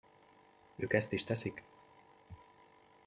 Ők ezt is teszik.